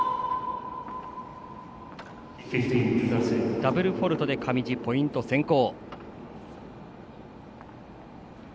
ダブルフォールトで上地、ポイント先行。